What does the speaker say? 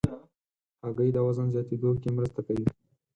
هګۍ د وزن زیاتېدو کې مرسته کوي.